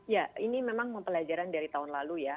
ya ini memang mempelajaran dari tahun lalu ya